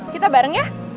kita bareng ya